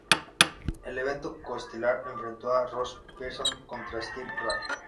El evento coestelar enfrentó a Ross Pearson contra Stevie Ray.